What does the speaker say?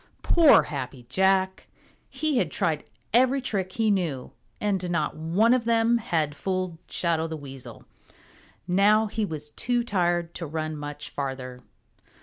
Poor Happy Jack! He had tried every trick he knew, and not one of them had fooled Shadow the Weasel. Now he was too tired to run much farther.